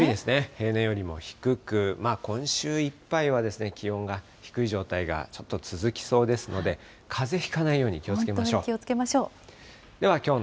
平年よりも低く、今週いっぱいは気温が低い状態がちょっと続きそうですので、かぜ本当に気をつけましょう。